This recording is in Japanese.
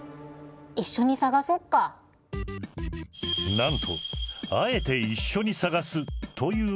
なんとあえて一緒に探すという方法。